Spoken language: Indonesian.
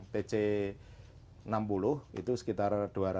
pc enam puluh itu sekitar dua ratus